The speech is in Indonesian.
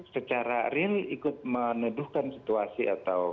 secara real ikut menuduhkan situasi atau